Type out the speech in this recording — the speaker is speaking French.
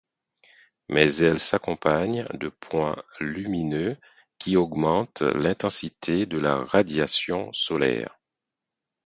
Mais elles s'accompagnent de points lumineux qui augmentent l'intensité de la radiation solaire.